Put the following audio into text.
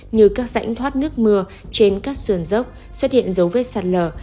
như các rãnh thoát nước mưa trên các sườn dốc xuất hiện dấu vết sạt lở